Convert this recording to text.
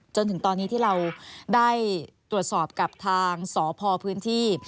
จนถึงตอนนี้ที่เราได้ตรวจสอบกับทางสพพื้นที่